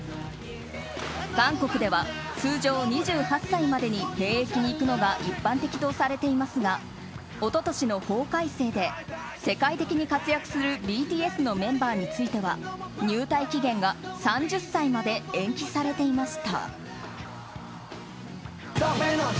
韓国では通常２８歳までに兵役に行くのが一般的とされていますが一昨年の法改正で世界的に活躍するＢＴＳのメンバーについては入隊期限が３０歳まで延期されていました。